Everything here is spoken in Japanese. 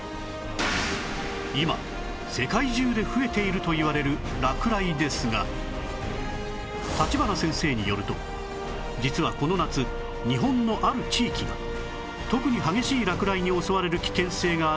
今世界中で増えているといわれる落雷ですが立花先生によると実はこの夏日本のある地域が特に激しい落雷に襲われる危険性があるといいます